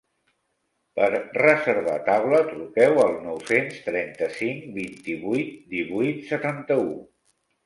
Per reservar taula, truqueu al nou-cents trenta-cinc vint-i-vuit divuit setanta-u.